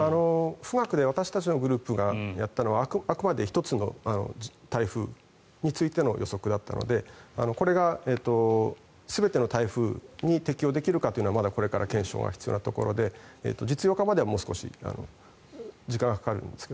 富岳で私たちのグループがやったのはあくまで１つの台風についての予測だったのでこれが全ての台風に適用できるかというのはまだこれから検証が必要なところで実用化まではもう少し時間がかかるんですが。